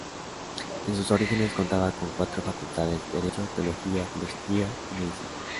En sus orígenes contaba con cuatro facultades: derecho, teología, filosofía y medicina.